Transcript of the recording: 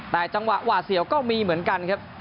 แต่จังหวะหวาดเสียวก็มีเหมือนกันครับ